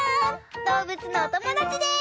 どうぶつのおともだちです！